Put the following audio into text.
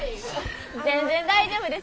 全然大丈夫です。